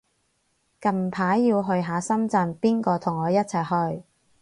近排要去下深圳，邊個同我一齊去